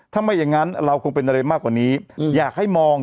ถ้าไม่อย่างนั้นเราคงเป็นอะไรมากกว่านี้อยากให้มอง